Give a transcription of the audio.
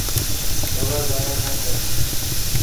دوا زايا نا ڪر.